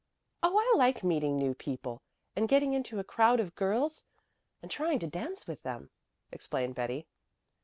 "Oh, I like meeting new people, and getting into a crowd of girls, and trying to dance with them," explained Betty.